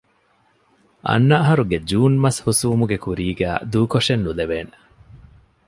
އަންނަ އަހަރުގެ ޖޫން މަސް ހުސްވުމުގެ ކުރީގައި ދޫކޮށެއް ނުލެވޭނެ